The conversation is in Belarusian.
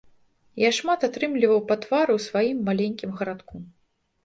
Я шмат атрымліваў па твары ў сваім маленькім гарадку.